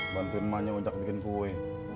bantuin emaknya uncak bikin kue